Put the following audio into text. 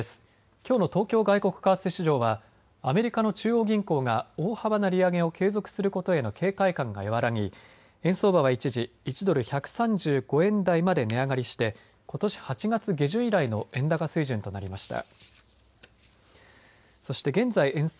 きょうの東京外国為替市場はアメリカの中央銀行が大幅な利上げを継続することへの警戒感が和らぎ、円相場は一時１ドル１３５円台まで値上がりしてことし８月下旬以来の円高水準となりました。